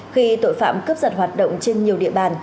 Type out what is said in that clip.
khi tội phạm cướp giật hoạt động trên nhiều địa bàn